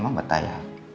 emang betah ya